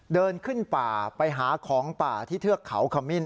เดินขึ้นป่าไปหาของป่าที่เทือกเขาขมิ้น